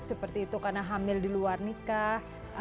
seperti itu karena hamil di luar nikah